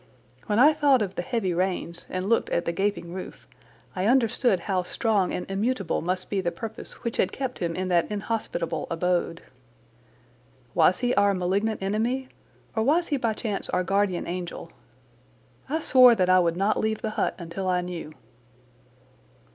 When I thought of the heavy rains and looked at the gaping roof I understood how strong and immutable must be the purpose which had kept him in that inhospitable abode. Was he our malignant enemy, or was he by chance our guardian angel? I swore that I would not leave the hut until I knew.